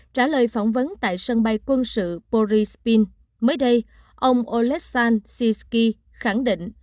trả lời phỏng vấn tại sân bay quân sự boryspil mới đây ông oleksandr shishkin khẳng định